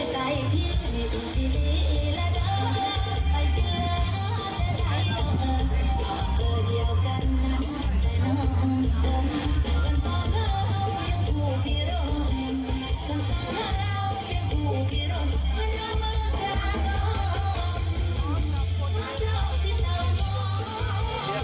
เพลงเต่าง้อยได้รับความยุ่มมาก